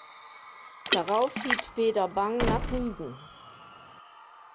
Darauf flieht Peder Bang nach Rügen.